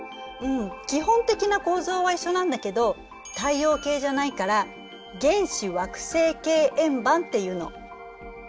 うん基本的な構造は一緒なんだけど太陽系じゃないから原始惑星系円盤っていうの。